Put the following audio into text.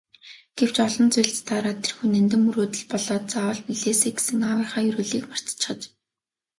Гэвч олон зүйлд сатаараад тэрхүү нандин мөрөөдөл болоод заавал биелээсэй гэсэн аавынхаа ерөөлийг мартчихаж.